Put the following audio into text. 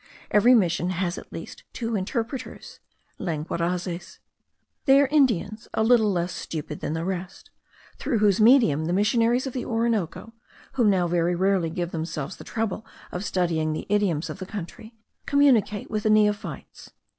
Every mission has at least two interpreters (lenguarazes). They are Indians, a little less stupid than the rest, through whose medium the missionaries of the Orinoco, who now very rarely give themselves the trouble of studying the idioms of the country, communicate with the neophytes.